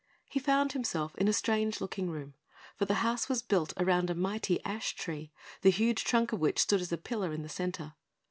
He found himself in a strange looking room; for the house was built around a mighty ash tree, the huge trunk of which stood as a pillar in the centre.